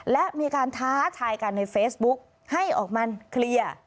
และมีการท้าทายกันในเฟซบุ๊กให้ออกมาเคลียร์